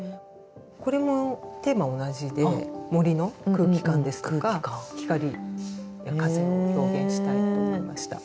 これもテーマ同じで森の空気感ですとか光や風を表現したいと思いました。